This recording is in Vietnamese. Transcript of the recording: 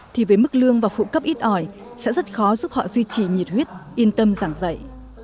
thì với mức lương và phụ cấp ít ỏi sẽ rất khó giúp họ duy trì nhiệt huyết yên tâm giảng dạy